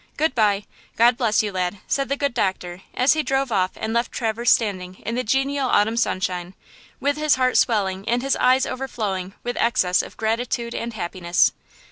Good by; God bless you, lad," said the good doctor, as he drove off and left Traverse standing in the genial autumn sunshine, with his heart swelling and his eyes overflowing with excess of gratitude and happiness.